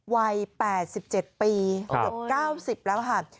วัย๘๗ปี๙๐แล้วค่ะ